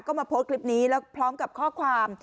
ก็มาโพสต์คลิปนี้แล้วพร้อมกับข้อความ